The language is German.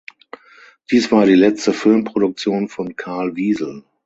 Dies war die letzte Filmproduktion von Karl Wiesel.